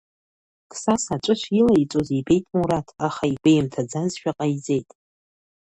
Қсас аҵәы шилаиҵоз ибеит Мураҭ, аха игәеимҭаӡазшәа ҟаиҵеит.